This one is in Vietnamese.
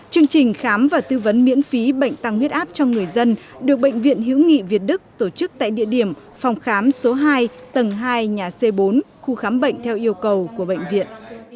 chương trình khám và tư vấn miễn phí bệnh tăng huyết áp cho người dân được bệnh viện hữu nghị việt đức tổ chức tại địa điểm phòng khám số hai tầng hai nhà c bốn khu khám bệnh theo yêu cầu của bệnh viện